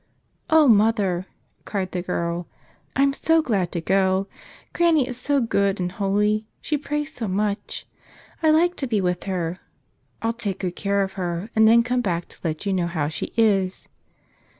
"O mother," cried the girl, "I'm so glad to go ! Granny is so good and holy ; she prays so much ; I like to be with her. I'll take good care of her and then come back to let you know how she is."